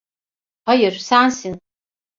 Hayır, sensin.